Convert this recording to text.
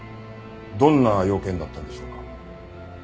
どんな用件だったんでしょうか？